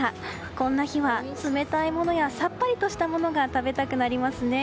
こんな日は冷たいものやさっぱりとしたものが食べたくなりますね。